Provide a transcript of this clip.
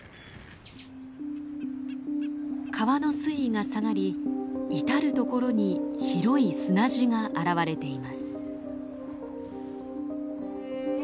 川の水位が下がり至る所に広い砂地が現れています。